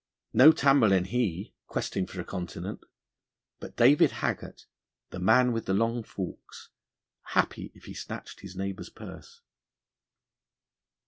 No Tamerlane he, questing for a continent, but David Haggart, the man with the long forks, happy if he snatched his neighbour's purse.